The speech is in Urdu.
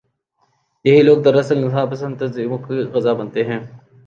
یہی لوگ دراصل انتہا پسند تنظیموں کی غذا بنتے ہیں۔